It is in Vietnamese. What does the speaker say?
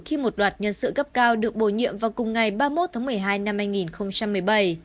khi một loạt nhân sự cấp cao được bổ nhiệm vào cùng ngày ba mươi một tháng một mươi hai năm hai nghìn một mươi bảy